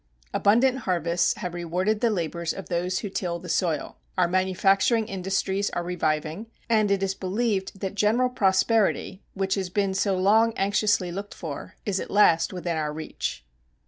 Abundant harvests have rewarded the labors of those who till the soil, our manufacturing industries are reviving, and it is believed that general prosperity, which has been so long anxiously looked for, is at last within our reach.